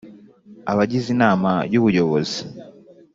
abagize inama y ubuyobozi